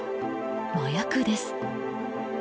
麻薬です。